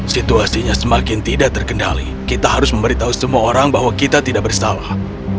situasinya semakin tidak terkendali kita harus memberitahu semua orang bahwa kita tidak bersalah